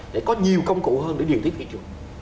để có nhiều công cụ hơn để điều tiết thị trường